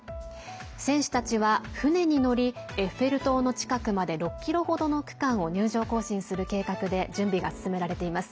選手たちは船に乗りエッフェル塔の近くまで６ｋｍほどの区間を入場行進する計画で準備が進められています。